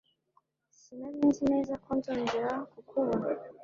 Sinari nzi neza ko nzongera kukubona.